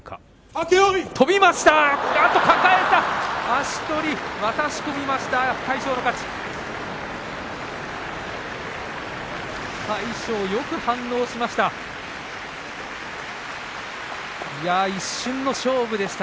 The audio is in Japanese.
足取り、渡し込みました魁勝の勝ち。